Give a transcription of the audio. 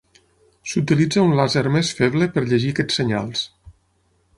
S'utilitza un làser més feble per llegir aquests senyals.